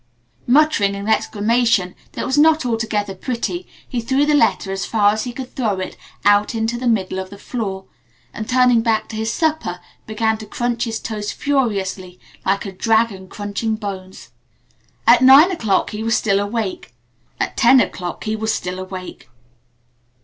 Muttering an exclamation that was not altogether pretty he threw the letter as far as he could throw it out into the middle of the floor, and turning back to his supper began to crunch his toast furiously like a dragon crunching bones. At nine o'clock he was still awake. At ten o'clock he was still awake.